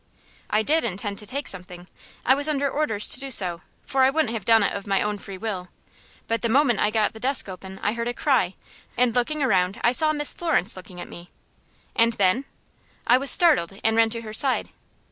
"I did intend to take something. I was under orders to do so, for I wouldn't have done it of my own free will; but the moment I got the desk open I heard a cry, and looking around, I saw Miss Florence looking at me." "And then?" "I was startled, and ran to her side."